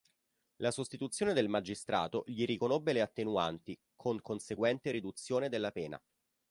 La sostituzione del magistrato gli riconobbe le attenuanti, con conseguente riduzione della pena.